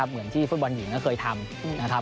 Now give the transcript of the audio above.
เหมือนที่ฟุตบอลหญิงเคยทำ